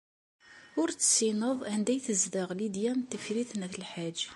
Ur tessineḍ anda ay tezdeɣ Lidya n Tifrit n At Lḥaǧ.